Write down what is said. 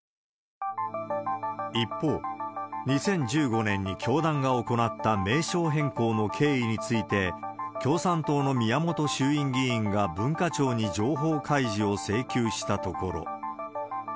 一方、２０１５年に教団が行った名称変更の経緯について、共産党の宮本衆院議員が文化庁に情報開示を請求したところ。